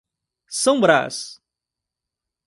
São Brás